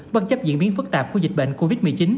bất chấp diễn biến phức tạp của dịch bệnh covid một mươi chín